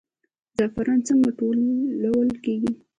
زعفران څنګه ټولول کیږي؟